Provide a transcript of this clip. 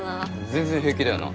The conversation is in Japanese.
全然平気だよな？